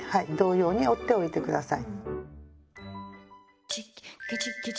同様に折っておいてください。